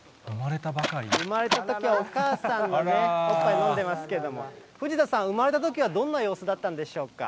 産まれたときはお母さんのね、おっぱい飲んでますけれども、藤田さん、産まれたときはどんな様子だったんでしょうか。